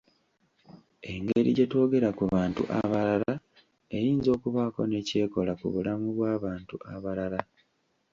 Engeri gye twogera ku bantu abalala eyinza okubaako ne ky’ekola ku bulamu bw’abantu abalala.